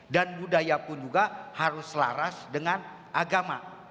dan budaya pun juga harus selaras dengan agama